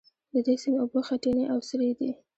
د دې سیند اوبه خټینې او سرې دي.